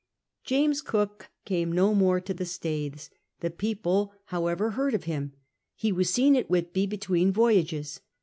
flames Cook came no more to the Staithes. The people, however, heard of him. 1 le was seen at Whitby between voyages.